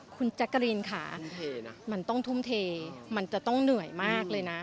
คุณแจ๊กกะรีนค่ะมันต้องทุ่มเทมันจะต้องเหนื่อยมากเลยนะ